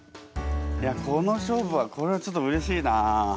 いやこの勝負はこれはちょっとうれしいな。